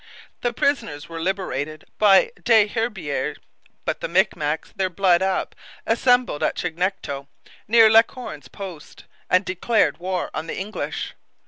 The prisoners were liberated by Des Herbiers; but the Micmacs, their blood up, assembled at Chignecto, near La Corne's post, and declared war on the English.